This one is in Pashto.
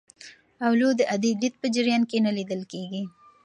اولو د عادي لید په جریان کې نه لیدل کېږي.